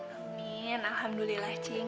amin alhamdulillah cing